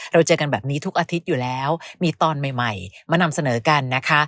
เราเจอกันแบบนี้ทุกอาทิตย์อยู่แล้วมีตอนใหม่มานำเสนอกันนะคะ